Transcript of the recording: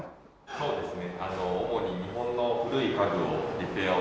そうですね。